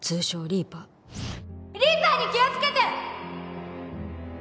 リーパーに気をつけて！